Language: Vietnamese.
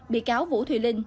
bị cáo vũ thụy linh